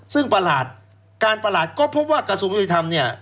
ซึ่งประหลาดการประหลาดก็เพราะว่ากสมธิธรรมเนี่ย